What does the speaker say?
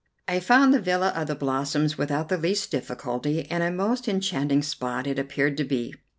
I found the villa of the Blossoms without the least difficulty, and a most enchanting spot it appeared to be.